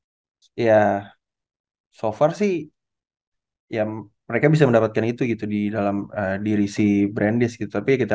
terus ya so far sih ya mereka bisa mendapatkan itu gitu di dalam diri si brandesh gitu tapi kita